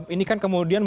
ini kan kemudian